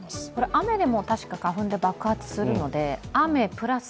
雨でも確か、花粉で爆発するので雨プラス